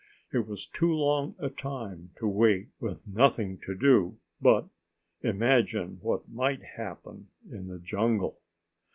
It was too long a time to wait with nothing to do but imagine what might happen in the jungle.